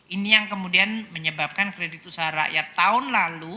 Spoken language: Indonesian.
ini yang kemudian menyebabkan kredit usaha rakyat tahun lalu